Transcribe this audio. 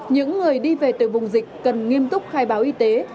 những người đi về từ vùng dịch cần nghiêm túc khai báo y tế